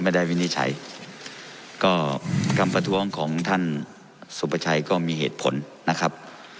วินิจฉัยก็คำประท้วงของท่านสุประชัยก็มีเหตุผลนะครับ